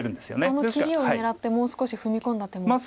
あの切り狙ってもう少し踏み込んだ手も考えてますか？